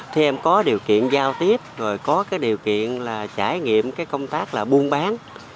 thì em có điều kiện giao tiếp rồi có điều kiện trải nghiệm công tác buôn bán